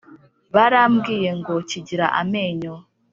barambwiye ngo kigira amenyo